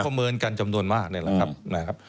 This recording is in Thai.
เขาประเมินกันจำนวนมากนี่แหละครับ